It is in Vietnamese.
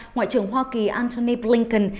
ngoại trưởng hoa kỳ antony blinken